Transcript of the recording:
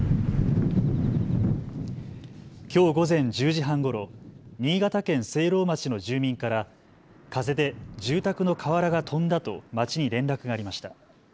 きょう午前１０時半ごろ、新潟県聖籠町の住民から風で住宅の瓦が飛んだと町に連絡がありました。